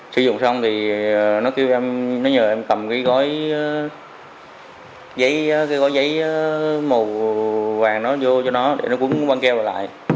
sử dụng xong thì nó kêu em nó nhờ em cầm cái gói giấy màu vàng nó vô cho nó để nó cúng băng keo vào lại